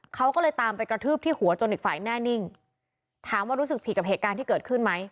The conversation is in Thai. เขาก็เลยตามไปกระทืบที่หัวจนอีกฝ่ายแน่นิ่งถามว่ารู้สึกผิดกับเหตุการณ์ที่เกิดขึ้นไหม